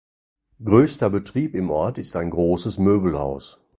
Größter Betrieb im Ort ist ein großes Möbelhaus.